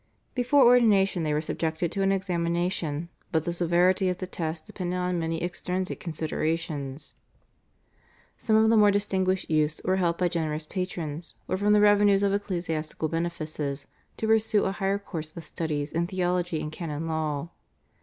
Before ordination they were subjected to an examination, but the severity of the test depended on many extrinsic considerations. Some of the more distinguished youths were helped by generous patrons, or from the revenues of ecclesiastical benefices to pursue a higher course of studies in theology and canon law.